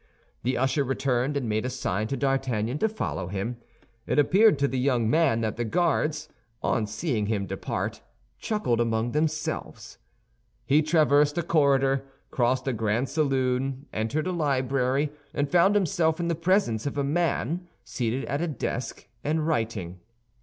The usher returned and made a sign to D'Artagnan to follow him. It appeared to the young man that the Guards, on seeing him depart, chuckled among themselves. He traversed a corridor, crossed a grand saloon, entered a library, and found himself in the presence of a man seated at a desk and writing.